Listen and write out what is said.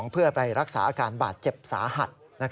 เพื่อไปรักษาอาการบาดเจ็บสาหัส